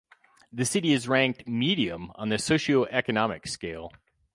The city is ranked medium on the socio-economic scale.